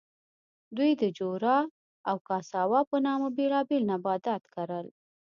دوی د جورا او کاساوا په نامه بېلابېل نباتات کرل.